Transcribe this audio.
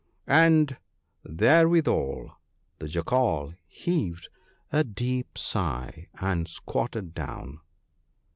" "And therewithal the Jackal heaved a deep sigh, and squatted down.